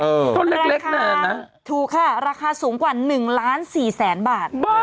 ต้นเล็กนานนะถูกค่ะราคาสูงกว่า๑ล้านสี่แสนบาท